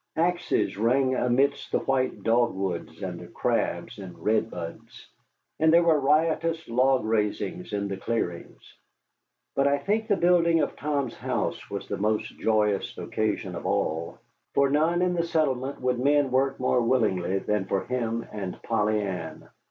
Axes rang amidst the white dogwoods and the crabs and redbuds, and there were riotous log raisings in the clearings. But I think the building of Tom's house was the most joyous occasion of all, and for none in the settlement would men work more willingly than for him and Polly Ann.